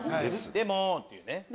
でも」っていうね。